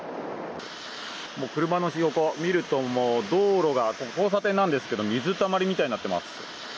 車の横、見るともう道路が、交差点なんですけど、水たまりみたいになってます。